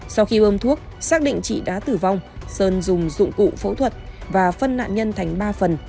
sau khi ôm thuốc xác định chị đã tử vong sơn dùng dụng cụ phẫu thuật và phân nạn nhân thành ba phần